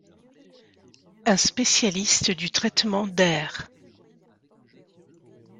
Un spécialiste du traitement d'air.